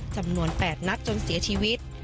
จำนวน๘นัดจนเสียชีวิต